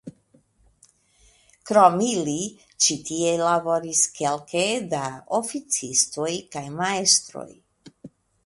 Krom ili ĉi tie laboris kelke da oficistoj kaj majstroj.